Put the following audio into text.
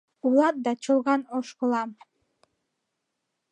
Улат да — чолган ошкылам.